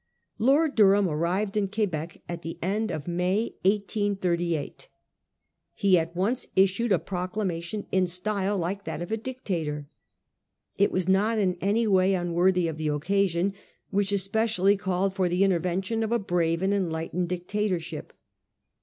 Lord Durham arrived in Quebec at the end ot May, 1838. He at once issued a proclamation, in style like that of a dictator. It was not in any way unworthy of the occasion, which especially called for the intervention of a brave and enlightened dictator ship.